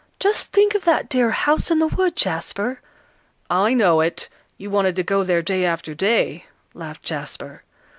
"Just think of that dear 'House in the Wood,' Jasper." "I know it; you wanted to go there day after day," laughed Jasper.